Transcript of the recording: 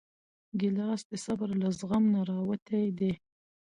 ګیلاس د صبر له زغم نه راوتی دی.